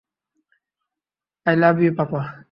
I love you papa.